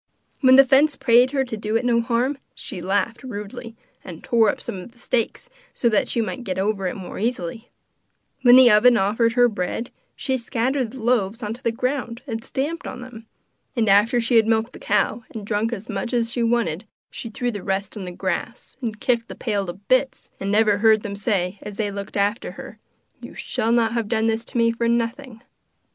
When the fence prayed her to do it no harm, she laughed rudely, and tore up some of the stakes so that she might get over the more easily; when the oven offered her bread, she scattered the loaves onto the ground and stamped on them; and after she had milked the cow, and drunk as much as she wanted, she threw the rest on the grass, and kicked the pail to bits, and never heard them say, as they looked after her: 'You shall not have done this to me for nothing!